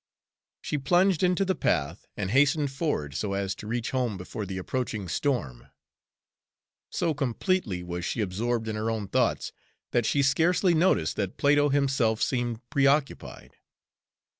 She plunged into the path and hastened forward so as to reach home before the approaching storm. So completely was she absorbed in her own thoughts that she scarcely noticed that Plato himself seemed preoccupied.